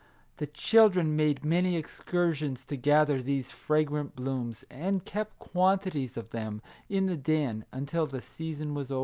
The children made many excursions to gather these fragrant blooms, and kept quantities of them in the Den until the season was over.